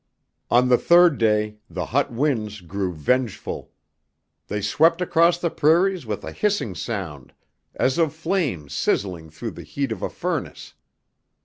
On the third day the hot winds grew vengeful. They swept across the prairies with a hissing sound as of flames sizzling through the heat of a furnace.